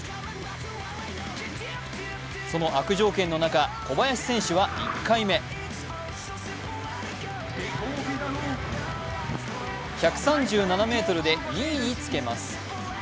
その悪条件の中、小林選手は１回目１３７ｍで２位につけます。